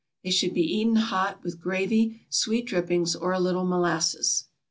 They should be eaten hot, with gravy, sweet drippings, or a little molasses.